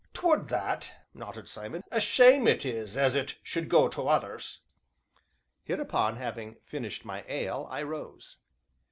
"'Twould that!" nodded Simon, "a shame it is as it should go to others." Hereupon, having finished my ale, I rose.